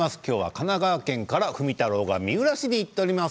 神奈川県から、ふみたろうが三浦市に行っております。